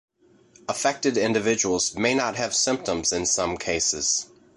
Affected individuals may not have symptoms in some cases.